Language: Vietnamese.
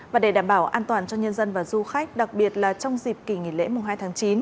và để đảm bảo an toàn cho nhân dân và du khách đặc biệt là trong dịp kỳ nghỉ lễ hai tháng chín